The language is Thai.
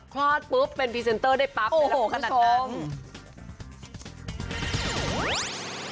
คลอดปุ๊บเป็นพรีเซนเตอร์ได้ปั๊บเลยครับคุณผู้ชมโอ้โฮขนาดนั้น